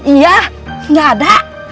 iya gak ada